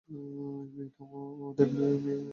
মেয়েটা ওদের মেরে ভূত বানাবে!